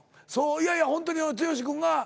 いやいやほんとに剛君が。